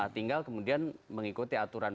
tinggal kemudian mengikuti aturan